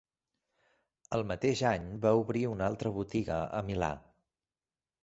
El mateix any va obrir una altra botiga a Milà.